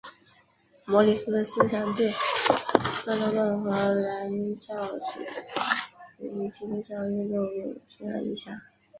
摩里斯的思想对创造论和原教旨主义基督教运动有巨大影响。